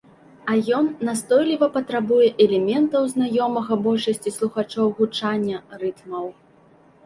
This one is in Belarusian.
А ён настойліва патрабуе элементаў знаёмага большасці слухачоў гучання, рытмаў.